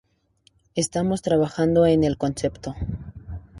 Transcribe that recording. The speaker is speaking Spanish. Estamos trabajando en el concepto.